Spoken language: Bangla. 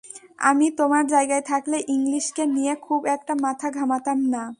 আমি তোমার জায়গায় থাকলে ইংলিশকে নিয়ে খুব একটা মাথা ঘামাতাম না।